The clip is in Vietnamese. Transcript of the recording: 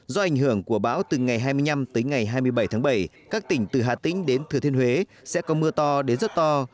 do ảnh hưởng của bão từ ngày hai mươi năm tới ngày hai mươi bảy tháng bảy các tỉnh từ hà tĩnh đến thừa thiên huế sẽ có mưa to đến rất to